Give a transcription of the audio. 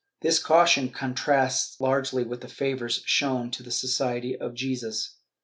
^ This caution contrasts strangely with the favors shown to the Society of Jesus.